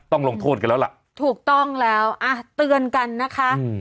ต้องลงโทษกันแล้วล่ะถูกต้องแล้วอ่ะเตือนกันนะคะอืม